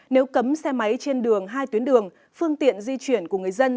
nếu cấm xe máy trên đường hai tuyến đường phương tiện di chuyển của người dân